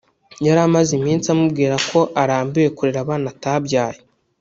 yari amaze iminsi amubwira ko arambiwe kurera abana atabyaye